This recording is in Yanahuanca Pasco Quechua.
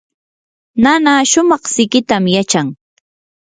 nana shumaq siqitam yachan.